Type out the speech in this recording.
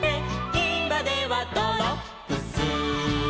「いまではドロップス」